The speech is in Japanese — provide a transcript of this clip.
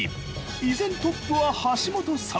いぜんトップは橋本さん。